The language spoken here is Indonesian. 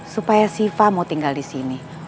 supaya siva mau tinggal di sini